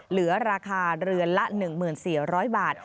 เหลือราคาเรือนละ๑๔๐๐บาท